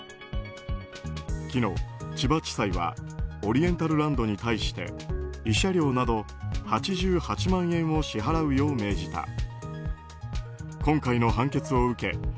昨日、千葉地裁はオリエンタルランドに対して慰謝料など８８万円を支払うよう命じた。